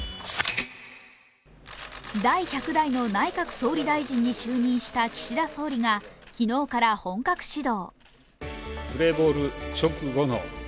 第１００代内閣総理大臣に就任した岸田総理大臣が昨日から本格始動。